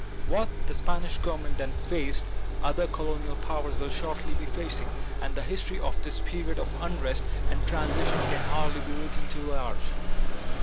What the Spanish Government then faced, other colonial powers will shortly be facing ; and the history of this period of unrest and transition can hardly be written too large.